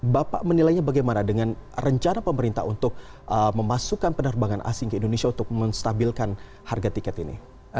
bapak menilainya bagaimana dengan rencana pemerintah untuk memasukkan penerbangan asing ke indonesia untuk menstabilkan harga tiket ini